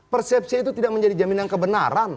persepsi itu tidak menjadi jaminan kebenaran